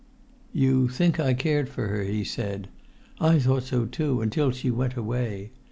"You think I cared for her," he said. "I thought so, too, until she went away.